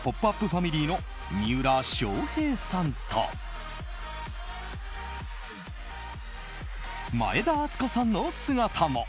ファミリーの三浦翔平さんと前田敦子さんの姿も。